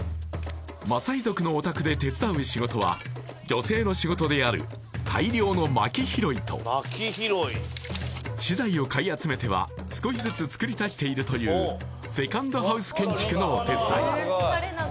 マサイ族のお宅で手伝う仕事は女性の仕事である大量の薪拾いと資材を買い集めては少しずつつくり足しているというセカンドハウス建築のお手伝い